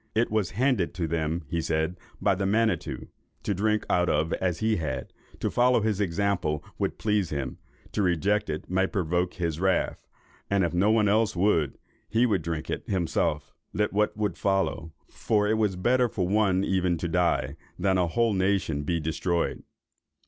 It was handed to them, he said, by the Manitto, to drink out of as he had; to follow his example would please him—to reject it might provoke his wrath; and if no one else would, he would drink it himself, let what would follow; for it was better for one even to die, than a whole nation to be destroyed.